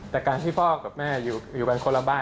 แต่การที่พ่อกับแม่อยู่กันคนละบ้าน